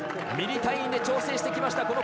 ミリ単位で調整してきました。